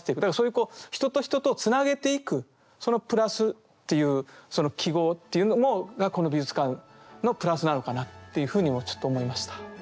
だからそういう人と人とをつなげていくその「プラス」っていうその記号というのがこの美術館の「プラス」なのかなっていうふうにもちょっと思いました。